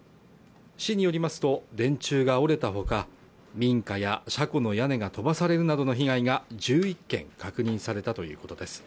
市によりますと電柱が折れたほか民家や車庫の屋根が飛ばされるなどの被害が１１件確認されたということです